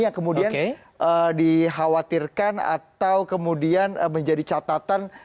yang kemudian dikhawatirkan atau kemudian menjadi catatan